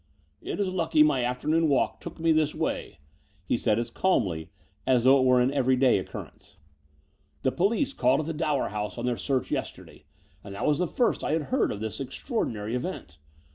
"It is lucky my afternoon walk took me this way," he said as calmly as though it were an every 64 The Door of the Unreal day occurrence. The police called at the Dower House on their search yesterday; and that was the first I had heard of this extraordinary event.